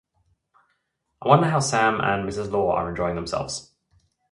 I wonder how Sam and Mrs. Law are enjoying themselves.